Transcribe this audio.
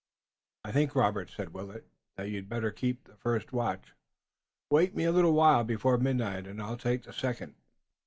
"I think, Robert," said Willet, "that you'd better keep the first watch. Wake me a little while before midnight, and I'll take the second."